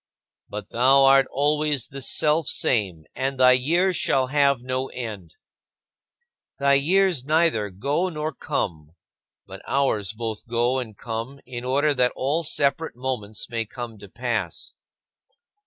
But "Thou art always the Selfsame and thy years shall have no end." Thy years neither go nor come; but ours both go and come in order that all separate moments may come to pass.